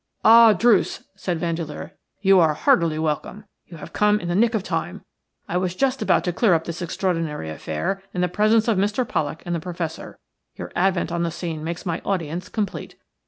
"Ah! Druce," said Vandeleur, "you are heartily welcome. You have come in the nick of time. I was just about to clear up this extraordinary affair in the presence of Mr. Pollak and the Professor. Your advent on the scene makes my audience complete.